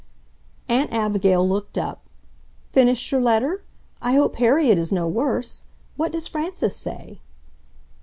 Aunt Abigail looked up: "Finished your letter? I hope Harriet is no worse. What does Frances say?"